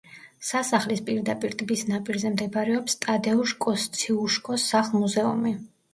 სასახლის პირდაპირ ტბის ნაპირზე მდებარეობს ტადეუშ კოსციუშკოს სახლ-მუზეუმი.